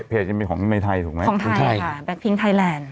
แต่เพจยังมีของในไทยถูกไหมคุณไทยของไทยค่ะแบ็คพิ้งไทยแลนด์